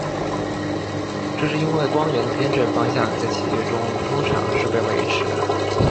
这是因为光源的偏振方向在其中通常是被维持的。